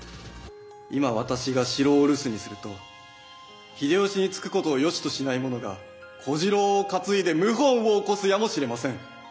今私が城を留守にすると秀吉につくことをよしとしない者が小次郎を担いで謀反を起こすやもしれません。